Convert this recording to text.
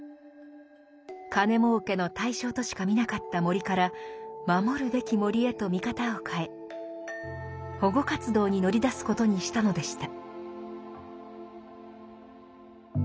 金もうけの対象としか見なかった森から守るべき森へと見方を変え保護活動に乗り出すことにしたのでした。